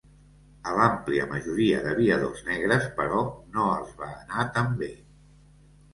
A l'àmplia majoria d'aviadors negres, però, no els va anar tan bé.